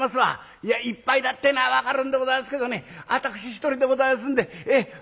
いやいっぱいだってえのは分かるんでござんすけどね私一人でございますんでええ。